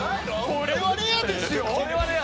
これはレアですよ！